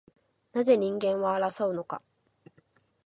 なぜ人間は争うのか